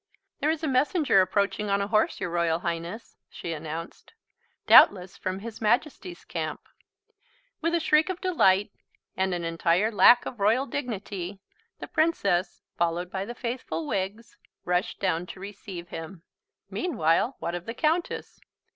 "There is a messenger approaching on a horse, your Royal Highness," she announced. "Doubtless from His Majesty's camp." With a shriek of delight, and an entire lack of royal dignity, the Princess, followed by the faithful Wiggs, rushed down to receive him. Meanwhile, what of the Countess?